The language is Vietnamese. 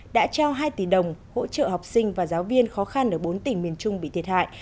đã trao hai tỷ đồng hỗ trợ học sinh và giáo viên khó khăn ở bốn tỉnh miền trung bị thiệt hại